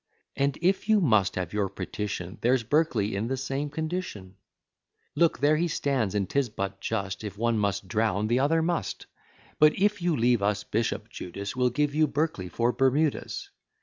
And if you must have your petition, There's Berkeley in the same condition; Look, there he stands, and 'tis but just, If one must drown, the other must; But, if you'll leave us Bishop Judas, We'll give you Berkeley for Bermudas.